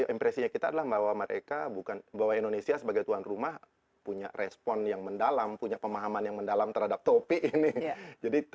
impresinya kita adalah bahwa mereka bukan bahwa indonesia sebagai tuan rumah punya respon yang mendalam punya pemahaman yang mendalam terhadap topi ini